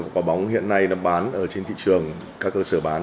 quả bóng hiện nay bán trên thị trường các cơ sở bán